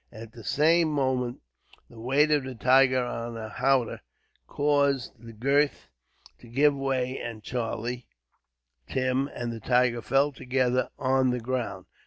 At the same moment the weight of the tiger on the howdah caused the girths to give way; and Charlie, Tim and the tiger fell together on the ground.